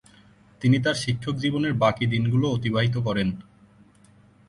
তিনি তাঁর শিক্ষক জীবনের বাকি দিনগুলো অতিবাহিত করেন।